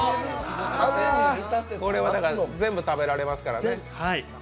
これは全部、食べられますからね。